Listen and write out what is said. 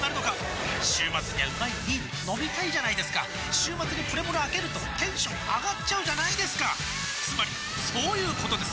週末にはうまいビール飲みたいじゃないですか週末にプレモルあけるとテンション上がっちゃうじゃないですかつまりそういうことです！